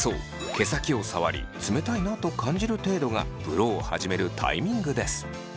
毛先を触り冷たいなと感じる程度がブローを始めるタイミングです。